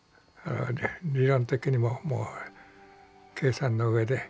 理論的にももう計算のうえで。